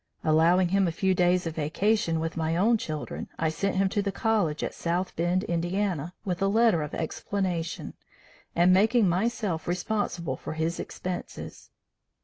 Allowing him a few days of vacation with my own children, I sent him to the college at South Bend, Ind., with a letter of explanation, and making myself responsible for his expenses.